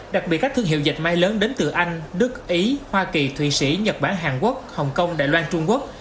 đặc biệt các thương hiệu dịch may lớn đến từ anh đức ý hoa kỳ thụy sĩ nhật bản hàn quốc hồng kông đài loan trung quốc